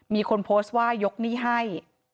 มีคนโพสต์ว่ายกหนี้ให้